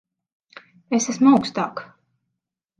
Es esmu augstāk.